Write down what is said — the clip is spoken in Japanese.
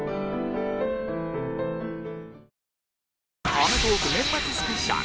『アメトーーク』年末スペシャル